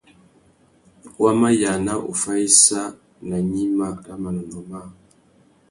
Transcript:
Wa mà yāna uffá issa nà gnima râ manônōh măh.